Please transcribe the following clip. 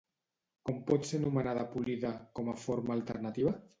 Com pot ser anomenada Polide, com a forma alternativa?